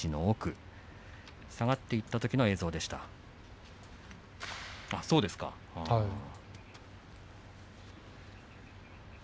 下がっていったときの映像でした東龍。